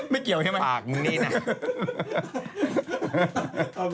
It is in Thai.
ไม่เกี่ยวใช่ไหมหากมึงนี่นะ